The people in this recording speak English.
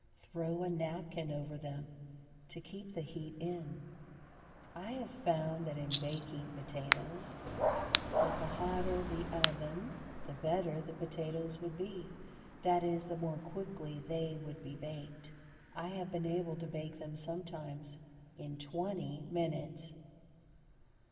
Throw a napkin over them to keep the heat in. I have found that in baking potatoes that the hotter the oven the better the potatoes would be; that is, the more quickly they would be baked. I have been able to bake them sometimes in twenty minutes.